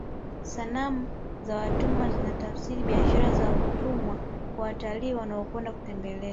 sanamu za watumwa zinatafsiri biashara ya utumwa kwa watalii wanaokwenda kutembelea